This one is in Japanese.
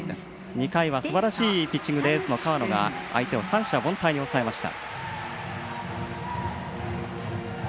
２回はすばらしいピッチングでエースの河野が三者凡退に抑えました。